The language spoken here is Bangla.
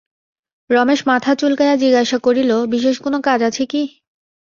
রমেশ মাথা চুলকাইয়া জিজ্ঞাসা করিল, বিশেষ কোনো কাজ আছে কি?